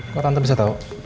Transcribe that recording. kok tante bisa tau